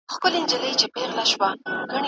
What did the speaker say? خلکو به ویل چې اسماعیل په جنګ کې د دوی ساتنه کوي.